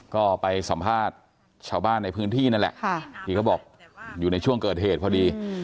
ก็ไปสัมภาษณ์ชาวบ้านในพื้นที่นั่นแหละที่เขาบอกอยู่ในช่วงเกิดเหตุพอดี